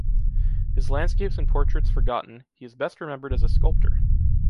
His landscapes and portraits forgotten, he is best remembered as a sculptor.